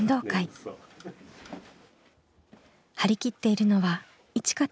張り切っているのはいちかちゃんよりも。